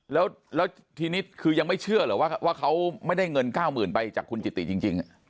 แล้วแล้วทีนี้คือยังไม่เชื่อหรือว่าว่าเขาไม่ได้เงินเก้าหมื่นไปจากคุณจิตติจริงจริง